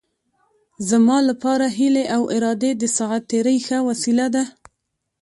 زما لپاره هیلې او ارادې د ساعت تېرۍ ښه وسیله ده.